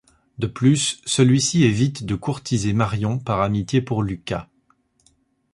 De plus, celui-ci évite de courtiser Marion par amitié pour Lucas.